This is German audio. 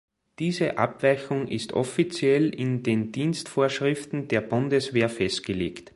Diese Abweichung ist offiziell in den Dienstvorschriften der Bundeswehr festgelegt.